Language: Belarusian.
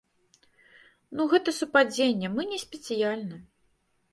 Ну, гэта супадзенне, мы не спецыяльна.